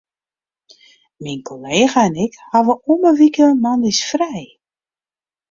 Myn kollega en ik hawwe om 'e wike moandeis frij.